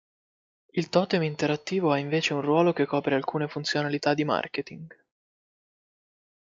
Il totem interattivo ha invece un ruolo che copre alcune funzionalità di Marketing.